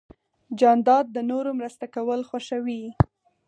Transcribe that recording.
جانداد د نورو مرسته کول خوښوي.